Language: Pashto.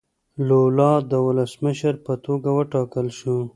لولا د ولسمشر په توګه وټاکل شو.